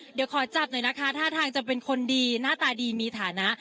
เดี๋ยวขอจับหน่อยนะคะท่าทางจะเป็นคนดีหน้าตาดีมีฐานะ